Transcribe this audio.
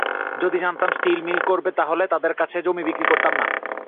যদি জানতাম steel mill করবে, তাহলে তাদের কাছে জমি বিক্রি করতাম না।